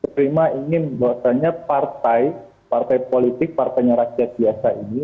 prima ingin bahwasannya partai partai politik partainya rakyat biasa ini